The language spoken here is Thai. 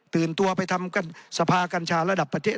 ตื่นตัวไปทำการสภากัญชาระดับประเทศ